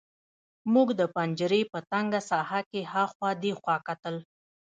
موږ د پنجرې په تنګه ساحه کې هاخوا دېخوا کتل